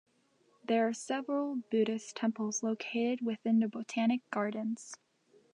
There are several Buddhist temples located within the botanic gardens.